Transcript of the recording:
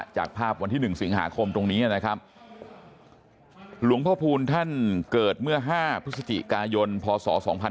จากภาพวันที่๑สิงหาคมตรงนี้นะครับหลวงพ่อพูลท่านเกิดเมื่อ๕พฤศจิกายนพศ๒๕๕๙